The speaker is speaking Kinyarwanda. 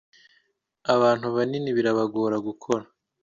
abantu banini birabagora gukora